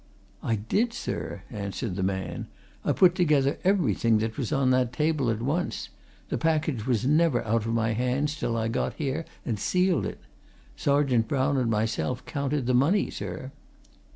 "I did, sir," answered the man. "I put together everything that was on the table, at once. The package was never out of my hands till I got it here, and sealed it. Sergeant Brown and myself counted the money, sir."